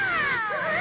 うわ！